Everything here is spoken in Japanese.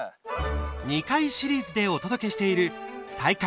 ２回シリーズでお届けしている「体感！